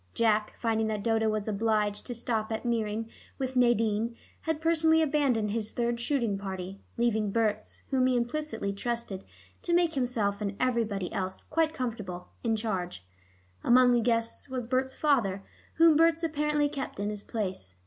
Jack, finding that Dodo was obliged to stop at Meering with Nadine, had personally abandoned his third shooting party, leaving Berts, whom he implicitly trusted to make himself and everybody else quite comfortable, in charge. Among the guests was Berts' father, whom Berts apparently kept in his place.